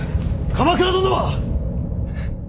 鎌倉殿は！